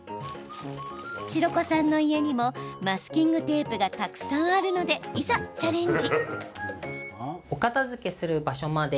白子さんの家にもマスキングテープがたくさんあるのでいざチャレンジ。